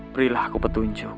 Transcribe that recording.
berilah aku petunjuk